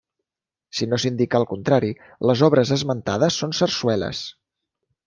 Si no s'indica el contrari, les obres esmentades són sarsueles.